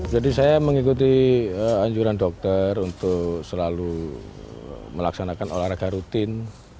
jadi saya mengikuti anjuran dokter untuk selalu melaksanakan olahraga rutin